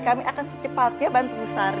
kami akan secepatnya bantu bu sari